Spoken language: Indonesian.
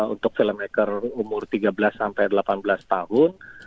untuk filmmaker umur tiga belas delapan belas tahun